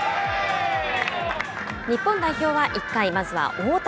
日本代表は１回、まずは大谷。